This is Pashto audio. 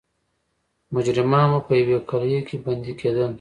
مجرمان به په یوې قلعې کې بندي کېدل.